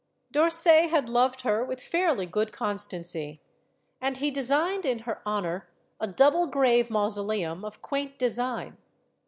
D'Orsay had loved her with fairly good constancy, and he designed in her honor a double grave mauso leum of quaint design.